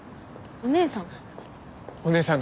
お姉さん？